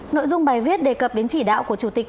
nội dung bài viết đề cập đến chỉ đạo của chủ tịch